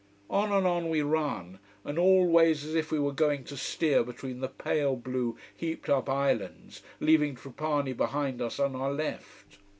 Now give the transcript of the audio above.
On and on we run and always as if we were going to steer between the pale blue, heaped up islands, leaving Trapani behind us on our left.